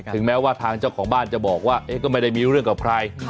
แม้ว่าทางเจ้าของบ้านจะบอกว่าก็ไม่ได้มีเรื่องกับใคร